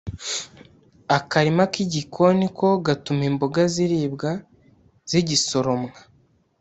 akarima k’igikoni ko gatuma imboga ziribwa zigisoromwa.